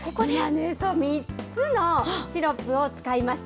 ３つのシロップを使いました。